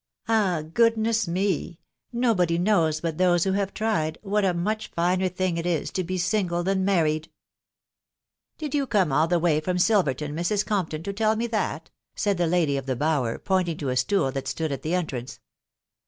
.... Ah, goodness me ! nobody knows but those who have tried, what a much finer thing it is to be single than married !"" Did you come all the way from Silverton, Mrs. Comp ton, to tell me that ?" said the lady of the bower, pointing to a stool that stood at the entrance.